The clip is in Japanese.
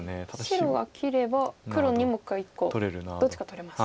白が切れば黒２目１個どっちか取れます。